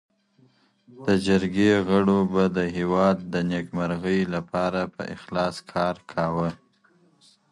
د جرګي غړو به د هیواد د نیکمرغۍ لپاره په اخلاص کار کاوه.